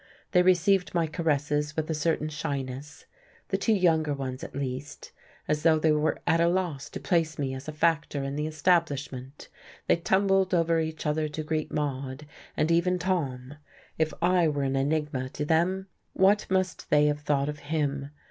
They received my caresses with a certain shyness the two younger ones, at least, as though they were at a loss to place me as a factor in the establishment. They tumbled over each other to greet Maude, and even Tom. If I were an enigma to them, what must they have thought of him?